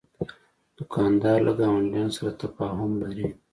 دوکاندار له ګاونډیانو سره تفاهم لري.